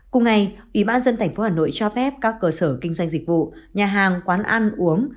cùng ngày ủy ban nhân dân tp hà nội cho phép các cơ sở kinh doanh dịch vụ nhà hàng quán ăn uống